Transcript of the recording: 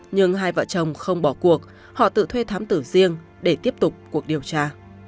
nhưng hai vợ chồng không bỏ cuộc họ tự thuê thám tử riêng để tiếp tục cuộc điều tra